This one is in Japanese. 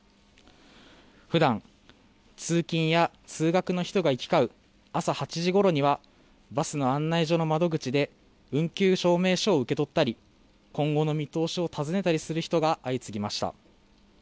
ふだん、通勤や通学の人が行き交う朝８時ごろにはバスの案内所の窓口で運休証明書を受け取ったり今後の見通しを尋ねたりする人が相次ぎました。